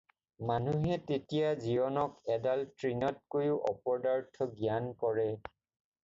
মানুহে তেতিয়া জীৱনক এডাল তৃণতকৈও অপদাৰ্থ জ্ঞান কৰে।